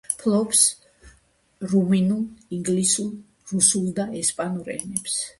ფლობს რუმინულ, ინგლისურ, რუსულ და ესპანურ ენებს.